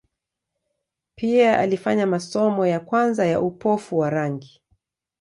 Pia alifanya masomo ya kwanza ya upofu wa rangi.